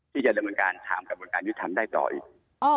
ที่จะดำเนินการถามกระบวนการยุทธรรมได้ต่ออีก